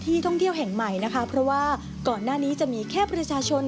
ท่องเที่ยวแห่งใหม่นะคะเพราะว่าก่อนหน้านี้จะมีแค่ประชาชน